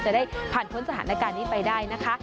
จะได้ผ่านพ้นสถานการณ์นี้ไปได้นะคะ